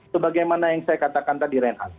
sebagaimana yang saya katakan tadi reinhardt